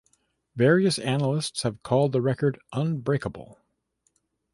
Various analysts have called the record unbreakable.